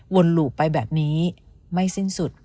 หลู่ไปแบบนี้ไม่สิ้นสุด